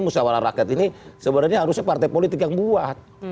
musyawarah rakyat ini sebenarnya harusnya partai politik yang buat